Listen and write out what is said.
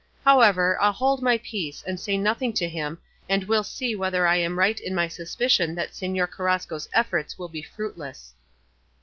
However, I'll hold my peace and say nothing to him, and we'll see whether I am right in my suspicion that Señor Carrasco's efforts will be fruitless."